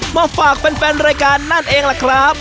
มาฝากแฟนรายการนั่นเองล่ะครับ